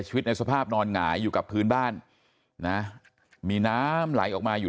ในสภาพนอนหงายอยู่กับพื้นบ้านนะมีน้ำไหลออกมาอยู่